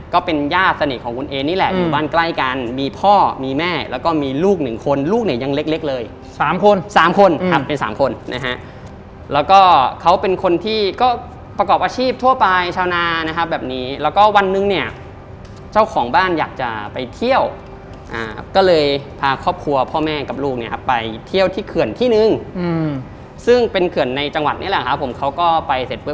การมีพ่อมีแม่แล้วก็มีลูกหนึ่งคนลูกเนี่ยยังเล็กเลยสามคนสามคนครับเป็นสามคนนะฮะแล้วก็เขาเป็นคนที่ก็ประกอบอาชีพทั่วไปชาวนานะฮะแบบนี้แล้วก็วันนึงเนี่ยเจ้าของบ้านอยากจะไปเที่ยวอ่าก็เลยพาครอบครัวพ่อแม่กับลูกเนี่ยครับไปเที่ยวที่เขื่อนที่หนึ่งอืมซึ่งเป็นเขื่อนในจังหวัดนี้แหละครับผมเขาก็ไปเสร